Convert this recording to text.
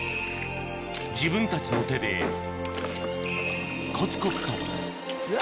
自分たちの手でコツコツとうわ！